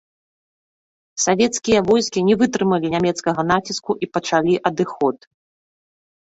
Савецкія войскі не вытрымалі нямецкага націску і пачалі адыход.